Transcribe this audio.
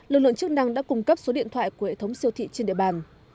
lực lượng chức năng đã cung cấp số điện thoại của hệ thống siêu thị trên địa bàn